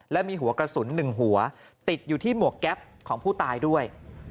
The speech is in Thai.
และมีหัวกระสุน๑หัวติดอยู่ที่หมวกแก๊ปของผู้ตายด้วย